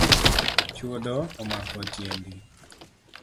Chwodho omako tiendi.